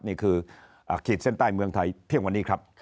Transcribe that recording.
นี่คือขีดเส้นใต้เมืองไทยเที่ยงวันนี้ครับ